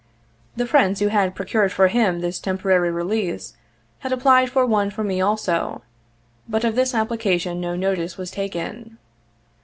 The friends who had procured 87 for him this temporary release had applied for one for me also, but of this application no notice was taken.